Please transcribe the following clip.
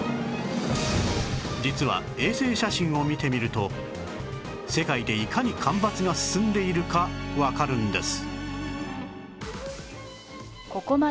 実は衛星写真を見てみると世界でいかに干ばつが進んでいるかわかるんです